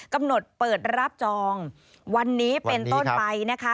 กำหนดเปิดรับจองวันนี้เป็นต้นไปนะคะ